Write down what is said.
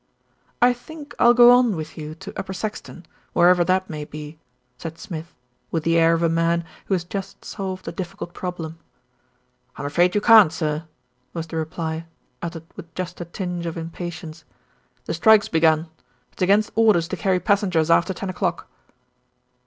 "I think I'll go on with you to Upper Saxton, wherever that may be," said Smith, with the air of a man who has just solved a difficult problem. "I'm afraid you can't, sir," was the reply, uttered THE GIRL AT THE WINDOW 21 with just a tinge of impatience. "The strike's begun. It's against orders to carry passengers after ten o'clock."